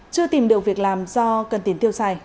chưa tìm được việc làm do cần tiền tiêu xài